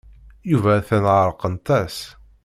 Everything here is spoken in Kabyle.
Yuba atan ɛerqent-as.